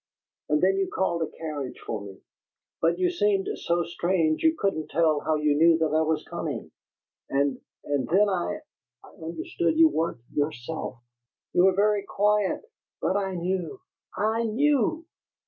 And then you called a carriage for me; but you seemed so strange you couldn't tell how you knew that I was coming, and and then I I understood you weren't yourself. You were very quiet, but I knew, I knew!